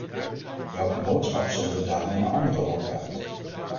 Welke boodschap zenden we daarmee naar andere landen uit?